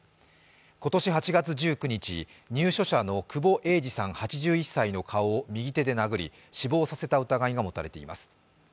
今年８月１９日、入所者の久保栄治さん８１歳の顔を右手で殴り死亡させた疑いが持たれています。